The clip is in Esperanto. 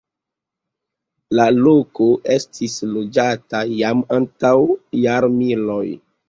La loko estis loĝata jam antaŭ jarmiloj.